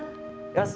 よし！